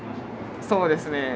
そうですね。